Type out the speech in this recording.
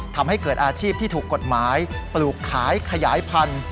ทำให้เกิดอาชีพที่ถูกกฎหมายปลูกขายขยายพันธุ์